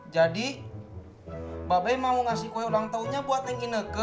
jadi bapak mau ngasih kue ulang tahunnya buat yang ineke